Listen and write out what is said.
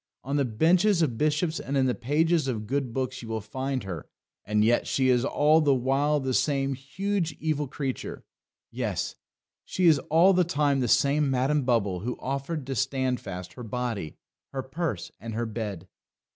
On the benches of bishops and in the pages of good books you will find her, and yet she is all the while the same huge evil creature." Yes; she is all the time the same Madam Bubble who offered to Standfast her body, her purse, and her bed.